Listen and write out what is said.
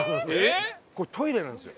これトイレなんですよ。